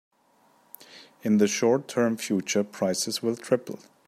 In the short term future, prices will triple.